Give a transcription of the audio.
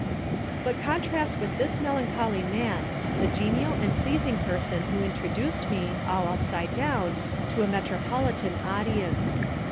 But contrast with this melancholy man the genial and pleasing person who introduced me, all upside down, to a metropolitan audience.